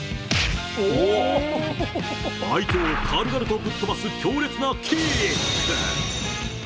相手を軽々とぶっ飛ばす、強烈なキック。